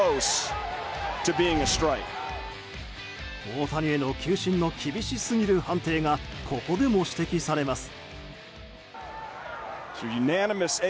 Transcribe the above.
大谷への球審の厳しすぎる判定がここでも指摘されます。